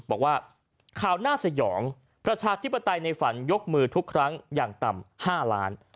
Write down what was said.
บอกว่าข่าวน่าสยองประชาธิปไตยในฝันยกมือทุกครั้งอย่างต่ำ๕ล้าน